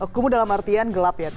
kumuh dalam artian gelap ya